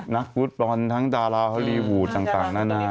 นักฟุตบอลทั้งดาราฮอลลีวูดต่างนานา